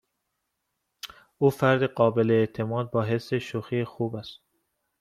او فردی قابل اعتماد با حس شوخی خوب است.